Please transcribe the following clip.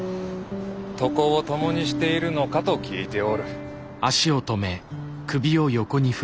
床を共にしているのかと聞いておる。